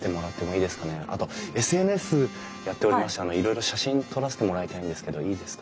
あとＳＮＳやっておりましていろいろ写真撮らせてもらいたいんですけどいいですか？